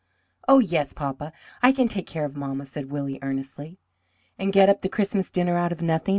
"Oh, yes! Papa, I can take care of mamma," said Willie earnestly. "And get up the Christmas dinner out of nothing?"